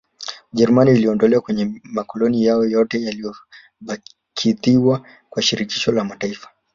Ujerumani iliondolewa kwenye makoloni yao yote yaliyokabidhiwa kwa shirikisho la mataifa